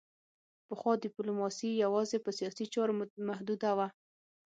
پخوا ډیپلوماسي یوازې په سیاسي چارو محدوده وه